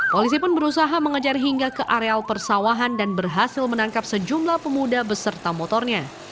polisi pun berusaha mengejar hingga ke areal persawahan dan berhasil menangkap sejumlah pemuda beserta motornya